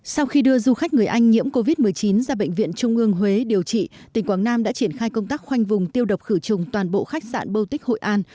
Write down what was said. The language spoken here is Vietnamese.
sau khi đưa du khách người anh nhiễm covid một mươi chín ra bệnh viện trung ương huế điều trị tỉnh quảng nam đã triển khai công tác khoanh vùng tiêu độc khử trùng toàn bộ khách sạn bô tích hội an